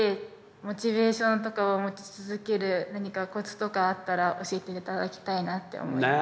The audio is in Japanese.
モチベーションとかを持ち続ける何かコツとかあったら教えて頂きたいなぁって思います。